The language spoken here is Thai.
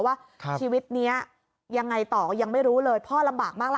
ว่าชีวิตนี้ยังไงต่อยังไม่รู้เลยพ่อลำบากมากล่ะ